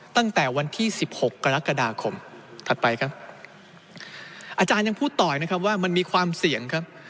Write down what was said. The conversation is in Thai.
ตั้งแต่วันที่สิบหกกรกฎาคมถัดไปครับอาจารย์ยังพูดต่ออีกนะครับว่ามันมีความเสี่ยงครับ